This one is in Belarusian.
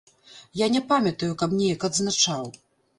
Я не памятаю, каб неяк адзначаў.